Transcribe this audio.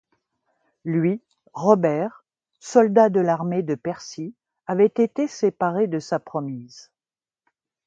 Lui, Robert, soldat de l'armée de Percy, avait été séparé de sa promise.